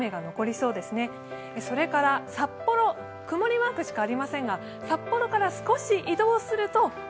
それから札幌、曇りマークしかありませんが札幌から少し移動すると、雨。